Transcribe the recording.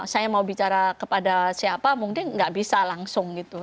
saya mau bicara kepada siapa mungkin nggak bisa langsung gitu